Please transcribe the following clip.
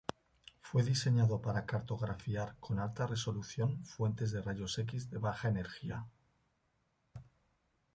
Fue diseñado para cartografiar con alta resolución fuentes de rayos X de baja energía.